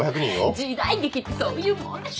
時代劇ってそういうもんでしょ。